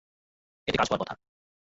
এতে কাজ হওয়ার কথা।